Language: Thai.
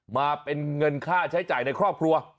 มาเป็นเงินค่าใช้จ่ายในครอบครัว